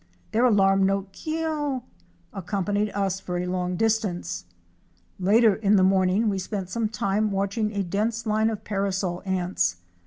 Their alarm note Keeeow! accompanied us for a long distance. Later in the morning we spent some time watching a dense line of parasol ants.